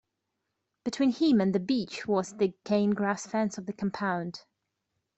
Between him and the beach was the cane-grass fence of the compound.